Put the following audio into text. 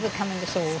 そう。